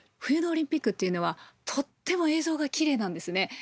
冬のオリンピックっていうのはとっても映像がきれいなんですね。